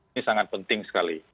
ini sangat penting sekali